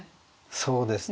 そうですね。